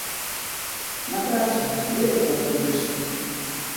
На працу, дзе тут уладкуешся.